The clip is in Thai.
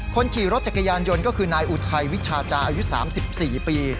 คนขี่รถจักรยานยนต์ก็คือนายอุทัยวิชาจาอายุ๓๔ปี